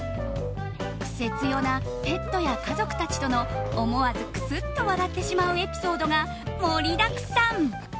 クセ強なペットや家族たちとの思わずくすっと笑ってしまうエピソードが盛りだくさん。